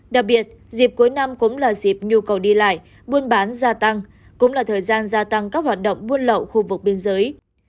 đặc biệt dịp cuối năm cũng là dịp nhu cầu đi lại buôn bán gia tăng cũng là thời gian gia tăng các hoạt động buôn lậu khu vực biên giới